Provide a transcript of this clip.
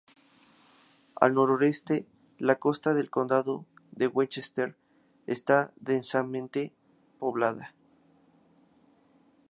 Al noroeste la costa del condado de Westchester está densamente poblada.